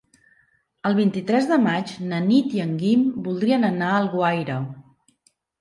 El vint-i-tres de maig na Nit i en Guim voldrien anar a Alguaire.